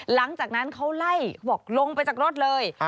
หลังจากนั้นเขาไล่บอกลงไปจากรถเลย